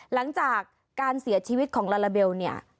หลังจากการเสียชีวิตของลาลาเบลเนี่ย